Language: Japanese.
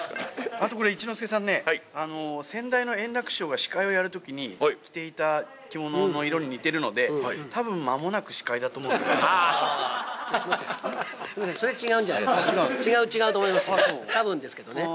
あと、これ、一之輔さんね、先代の圓楽師匠が司会をやるときに、着ていた着物の色に似てるのすみません、それ違うんじゃないですか、違うと思いますよ、たぶんですけどね。